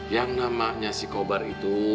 yang namanya si kobar itu